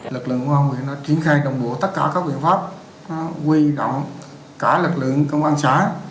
lực lượng công an huyện đã triển khai đồng bộ tất cả các biện pháp quy động cả lực lượng công an xã